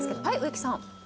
はい植木さん。